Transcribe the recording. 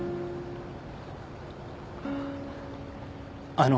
あの。